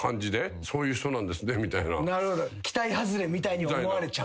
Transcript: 期待外れみたいに思われちゃう。